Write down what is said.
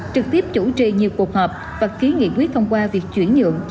trực tiếp chủ trì nhiều cuộc họp và ký nghị quyết thông qua việc chuyển nhượng